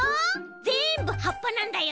ぜんぶはっぱなんだよ。